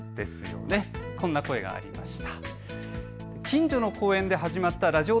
こんな声がありました。